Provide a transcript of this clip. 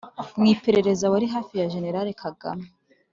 mu iperereza wari hafi jenerali kagame